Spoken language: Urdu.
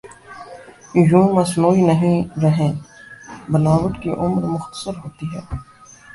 یوں مصنوعی نہیں رہیں بناوٹ کی عمر مختصر ہوتی ہے۔